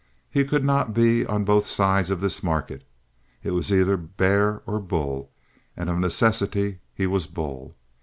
He could not be on both sides of this market. It was either "bear" or "bull," and of necessity he was "bull."